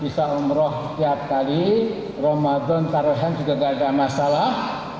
setiap kali ramadan taruhan juga tidak ada masalah